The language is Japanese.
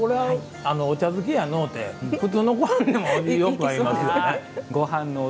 お茶漬けやのうて普通のごはんでもよく合いますわ。